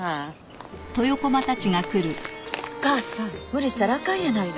お母さん無理したらあかんやないの。